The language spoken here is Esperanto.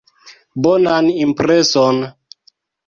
Bonan impreson!